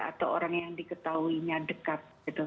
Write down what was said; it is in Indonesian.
atau orang yang diketahuinya dekat